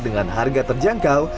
dengan harga terjangkau